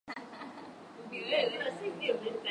Marekani kuwapa tuzo ya heshima wanawake mashujaa wa Afrika